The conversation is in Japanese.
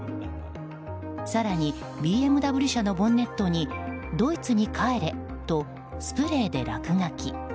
更にＢＭＷ車のボンネットにドイツに帰れとスプレーで落書き。